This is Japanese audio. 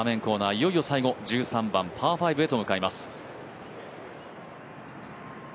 いよいよ最後１３番パー５へと向かいます。